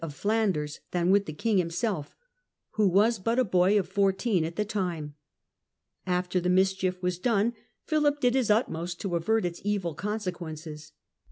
of Flanders, than with the king himself, who was but a boy of fourteen at the time. After the mischief was done, Philip did his utmost to avert its evil consequences.